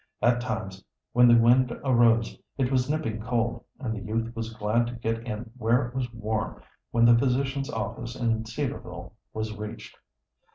At times, when the wind arose, it was nipping cold, and the youth was glad to get in where it was warm when the physician's office in Cedarville was reached.